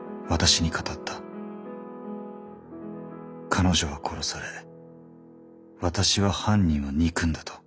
彼女は殺され私は犯人を憎んだと。